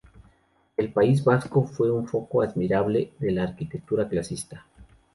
El País Vasco fue un foco admirable de la arquitectura clasicista.